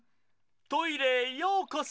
トイレへようこそ！